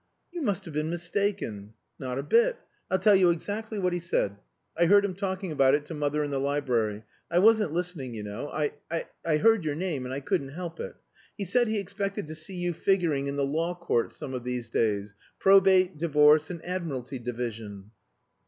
"You must have been mistaken." "Not a bit. I'll tell you exactly what he said. I heard him talking about it to mother in the library. I wasn't listening, you know. I I heard your name, and I couldn't help it. He said he expected to see you figuring in the law courts some of these days Probate, Divorce, and Admiralty Division."